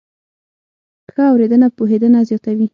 ښه اورېدنه پوهېدنه زیاتوي.